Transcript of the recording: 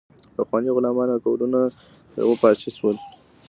پخواني غلامان او کولون په یوه پارچه شول.